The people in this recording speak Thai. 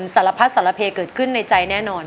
สารพัดสารเพเกิดขึ้นในใจแน่นอน